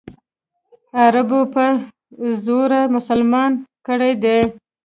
عربو په زوره مسلمانان کړي دي.